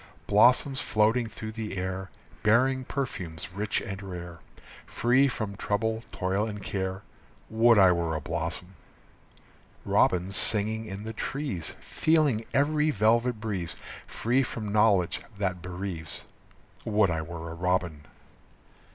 Blossoms floating through the air, Bearing perfumes rich and rare, Free from trouble, toil, and care. Would I were a blossom! Robins singing in the trees, Feeling every velvet breeze, Free from knowledge that bereaves. Would I were a robin!